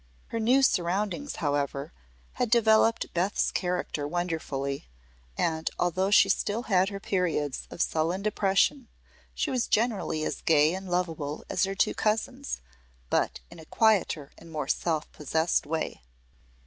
Her new surroundings, however, had developed Beth's character wonderfully, and although she still had her periods of sullen depression she was generally as gay and lovable as her two cousins, but in a quieter and more self possessed way.